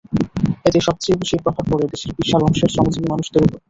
এতে সবচেয়ে বেশি প্রভাব পড়ে দেশের বিশাল অংশের শ্রমজীবী মানুষের ওপর।